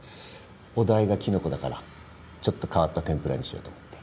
お題がきのこだからちょっと変わった天ぷらにしようと思って。